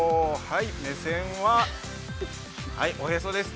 目線はおへそです。